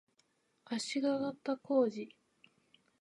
足利尊氏